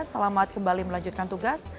selamat kembali melanjutkan tugas